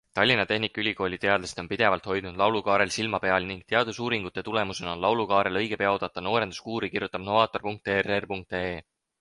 Tallinna tehnikaülikooli teadlased on pidevalt hoidnud laulukaarel silma peal ning teadusuuringute tulemusena on laulukaarel õige pea oodata noorenduskuuri, kirjutab novaator.err.ee.